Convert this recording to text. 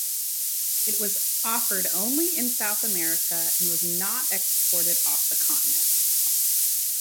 It was offered only in South America and was not exported off the continent.